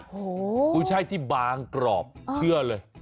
กุยช่ายที่บางกรอบเพื่ออะไร